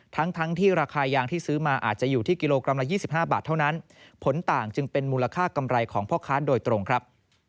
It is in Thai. ทั้งที่ราคายางที่ซื้อมาอาจจะอยู่ที่กิโลกรัมละ๒๕บาทเท่านั้นผลต่างจึงเป็นมูลค่ากำไรของพ่อค้าโดยตรงครับ